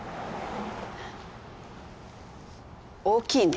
大きいね。